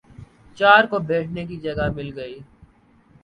چار کو بیٹھنے کی جگہ مل گئی